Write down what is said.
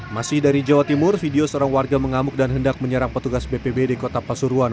masih dari jawa timur video seorang warga mengamuk dan hendak menyerang petugas bpbd kota pasuruan